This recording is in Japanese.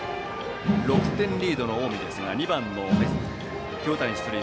６点リードの近江ですが２番の清谷、出塁。